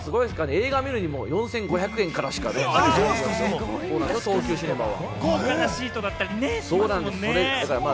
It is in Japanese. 映画見るにも４５００円からしかないので、東急シネマは。